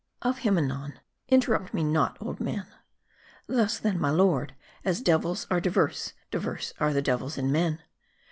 " Of him anon ; interrupt me not, old man. Thus, then, my lord, as devils are divers, divers are the devils in men.